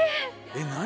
えっ何？